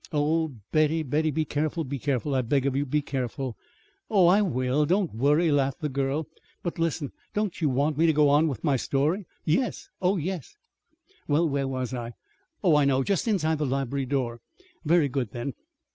"Oh, Betty, Betty, be careful, be careful. I beg of you, be careful!" "Oh, I will. Don't worry," laughed the girl. "But, listen, don't you want me to go on with my story?" "Yes oh, yes!" "Well, where was I? Oh, I know just inside the library door. Very good, then.